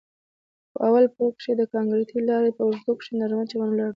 په اول پوړ کښې د کانکريټي لارې په اوږدو کښې نرى چمن ولاړ و.